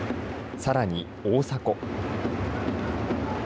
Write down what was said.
さらに大迫。